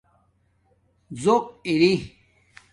ژق اری